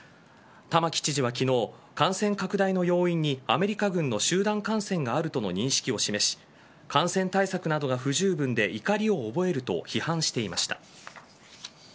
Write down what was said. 玉城知事は昨日、感染拡大の要因にアメリカ軍の集団感染があるとの認識を示し感染対策などが不十分で怒りを覚えると批判していました。